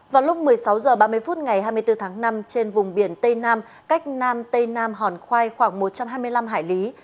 vào lúc một mươi sáu h ba mươi phút ngày hai mươi bốn tháng năm trên vùng biển tây nam cách nam tây nam hòn khoai khoảng một trăm hai mươi năm hải lý